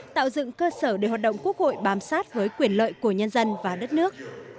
tạo dựng cơ sở để hoạt động quốc hội bám sát với quyền lợi của nhân dân và đất nước